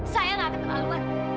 saya gak kecelaluan